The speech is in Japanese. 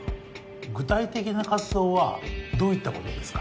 具体的な活動はどういったことですか？